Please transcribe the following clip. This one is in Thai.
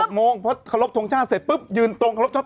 หกโมงเพราะขลบทรงชาติเสร็จปุ๊บยืนตรงขลบชาติ